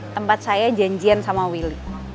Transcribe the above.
tempat saya janjian sama willy